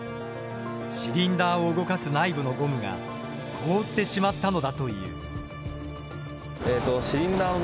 シリンダーを動かす内部のゴムが凍ってしまったのだという。